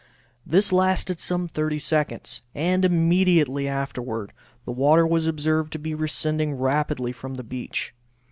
This lasted some 30 seconds, and immediately afterward the water was observed to be receding rapidly from the beach.